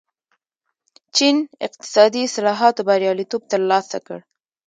چین اقتصادي اصلاحاتو بریالیتوب ترلاسه کړ.